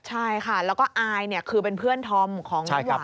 ใช่ค่ะแล้วก็อายคือเป็นเพื่อนธอมของน้องหวา